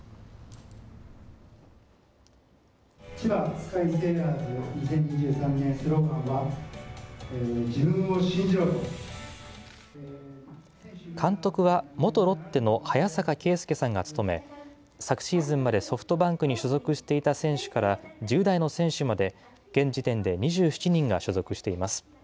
千葉スカイセイラーズの２０２３年のスローガンは、自分を信監督は、元ロッテの早坂圭介さんが務め、昨シーズンまでソフトバンクに所属していた選手から、１０代の選手まで現時点で２７人が所属しています。